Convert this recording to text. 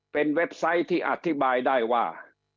เป็นเว็บไซต์ที่อธิบายได้ว่า